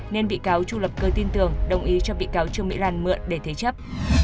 nên bị cáo chu lập cơ tin tưởng đồng ý cho bị cáo trương mỹ lan mượn để thế chấp